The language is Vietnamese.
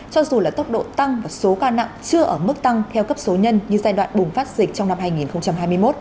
cho dù là tốc độ tăng và số ca nặng chưa ở mức tăng theo cấp số nhân như giai đoạn bùng phát dịch trong năm hai nghìn hai mươi một